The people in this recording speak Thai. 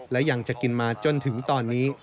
และยังจะกินมาจนถึงตอนนี้